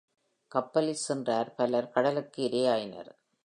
கப்பலில் சென்றார் பலர் கடலுக்கு இரையாயினர்.